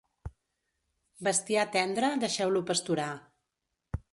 Bestiar tendre, deixeu-lo pasturar.